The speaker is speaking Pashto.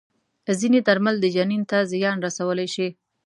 ځینې درمل د جنین ته زیان رسولی شي.